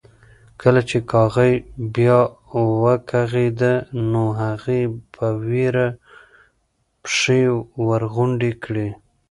کله چې کاغۍ بیا وکغېده نو هغې په وېره پښې ورغونډې کړې.